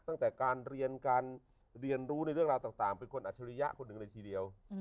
ตั้งแต่การเรียนการเรียนรู้ในเรื่องราวต่างเป็นคนอัจฉริยะคนหนึ่งเลยทีเดียว